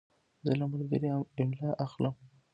زه له ملګري املا اخلم.